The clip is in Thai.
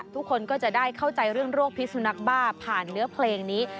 ทุกคนก็จะได้เข้าใจเรื่องโรคพิษสุนักบ้าผ่านเนื้อเพลงนี้